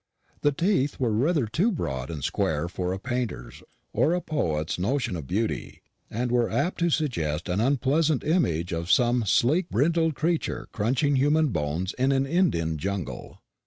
The teeth were rather too large and square for a painter's or a poet's notion of beauty, and were apt to suggest an unpleasant image of some sleek brindled creature crunching human bones in an Indian jungle.